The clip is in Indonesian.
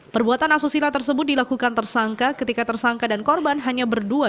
perbuatan asusila tersebut dilakukan tersangka ketika tersangka dan korban hanya berdua